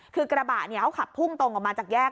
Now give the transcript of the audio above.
คือกระบะเขาขับพุ่งตรงออกมาจากแยก